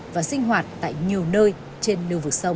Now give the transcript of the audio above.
và sinh hoạt tại nhiều nơi trên lưu vực sông